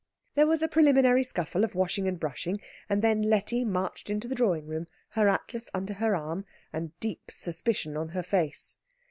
There was a preliminary scuffle of washing and brushing, and then Letty marched into the drawing room, her atlas under her arm and deep suspicion on her face.